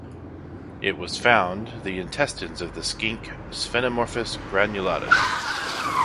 It was found the intestines of the skink "Sphenomorphus granulatus".